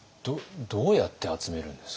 どうやって集めるんですか？